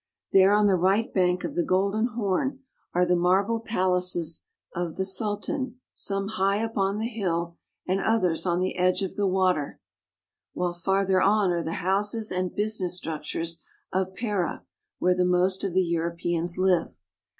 There on the right bank of the Golden Horn are the marble palaces of the Sultan, some high up on the hill, and others on the edge of the water ; while farther on are the houses and business structures of Pera, where the most of the Europeans live.